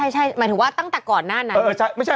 ใช่หมายถึงว่าตั้งแต่ก่อนหน้านั้น